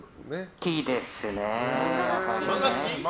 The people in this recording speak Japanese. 好きですね。